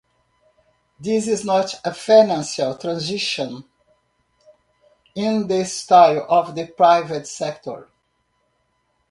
This is not a financial transaction in the style of the private sector.